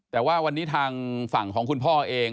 แต่ว่าวันนี้ทางฝั่งของคุณพ่อเอง